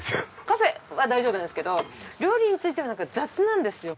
カフェは大丈夫なんですけど料理については雑なんですよ。